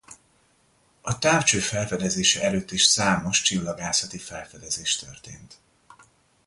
A távcső felfedezése előtt is számos csillagászati felfedezés történt.